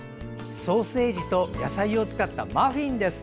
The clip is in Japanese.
ソーセージと野菜を使ったマフィンです。